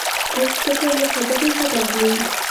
کوږ فکر له سادګۍ ګټه اخلي